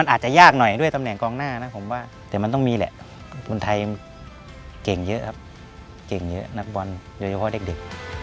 โปรดติดตามตอนต่อไป